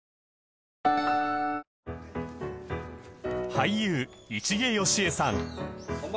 俳優市毛良枝さん